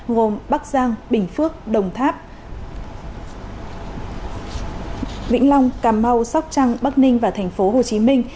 gồm bắc giang bình phước đồng tháp vĩnh long cà mau sóc trăng bắc ninh và thành phố hồ chí minh